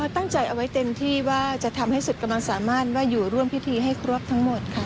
ตั้งใจเอาไว้เต็มที่ว่าจะทำให้สุดกำลังสามารถว่าอยู่ร่วมพิธีให้ครบทั้งหมดค่ะ